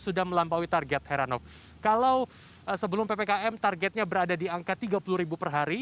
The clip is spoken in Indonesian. sebelum ppkm targetnya berada di angka tiga puluh ribu per hari